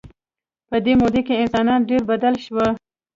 په دې موده کې انسان ډېر بدل شو.